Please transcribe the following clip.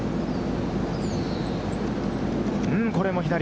これも左！